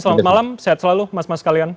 selamat malam sehat selalu mas mas kalian